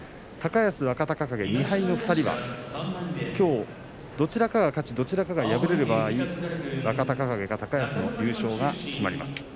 高安と若隆景、２敗の２人はきょう、どちらかが勝ちどちらかが敗れれば若隆景か高安の優勝が決まります。